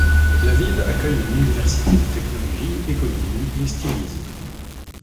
La ville accueille une université de technologie, économie et stylisme.